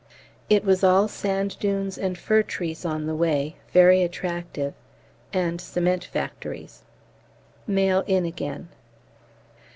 It was all sand dunes and fir trees on the way, very attractive, and cement factories. Mail in again.